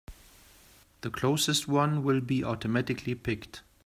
The closest one will be automatically picked.